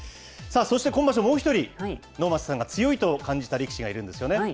そして今場所、もう一人、能町さんが強いと感じた力士がいるんですね。